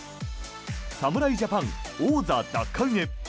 侍ジャパン王座奪還へ。